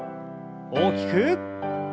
大きく。